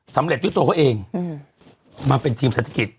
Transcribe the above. สำเร็จด้วยตัวเขาเองอืมมาเป็นทีมเศรษฐกิจ